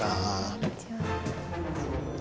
こんにちは。